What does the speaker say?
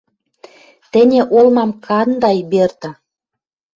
Тӹньӹ олмам кандай, Берта